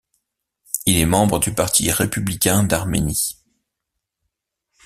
Il est membre du parti républicain d'Arménie.